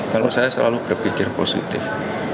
kalau saya selalu berpikir positif